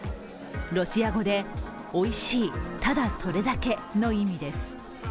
ロシア語で「おいしい、ただそれだけ」の意味です。